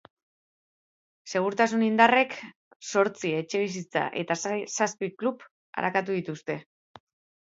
Segurtasun indarrek zortzi etxebizitza eta zazpi klub arakatu dituzte.